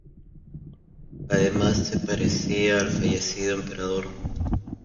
Además, se parecía al fallecido emperador.